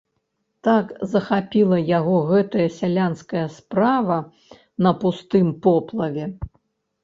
Так захапіла яго гэтая сялянская справа на пустым поплаве.